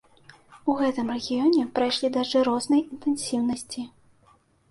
У гэтым рэгіёне прайшлі дажджы рознай інтэнсіўнасці.